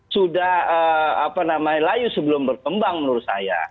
sudah layu sebelum berkembang menurut saya